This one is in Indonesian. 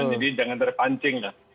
jadi jangan terpancing lah